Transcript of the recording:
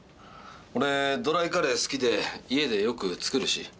俺ドライカレー好きで家でよく作るし。